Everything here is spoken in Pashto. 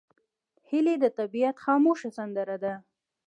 هیلۍ د طبیعت خاموشه سندره ده